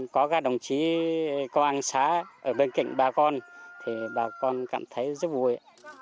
có các đồng chí công an xã ở bên kệnh bà con thì bà con cảm thấy rất vui